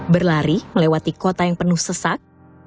berlari melewati kota yang penuh sesak